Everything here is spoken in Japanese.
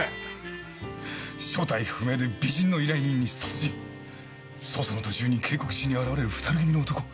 正体不明で美人の依頼人に殺人捜査の途中に警告しに現れる２人組の男